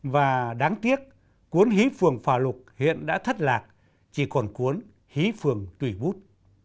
và đáng tiếc cuốn hí phường phà lục hiện đã thất lạc chỉ còn cuốn hí phường tùy bút